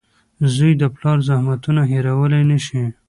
• زوی د پلار زحمتونه هېرولی نه شي.